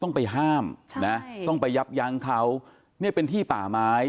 ต้องไปห้ามนะต้องไปยับยั้งเขาเนี่ยเป็นที่ป่าไม้